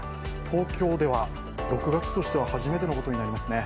東京では６月としては初めてのことになりますね。